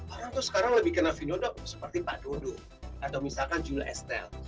orang itu sekarang lebih kenal vino seperti pak dodo atau misalkan julia estelle